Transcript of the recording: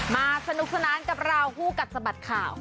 มาสนุกสนานกับเราคู่กัดสะบัดข่าว